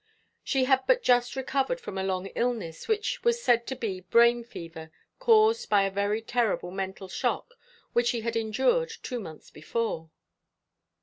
She had but just recovered from a long illness, which was said to be brain fever, caused by a very terrible mental shock which she had endured two months before."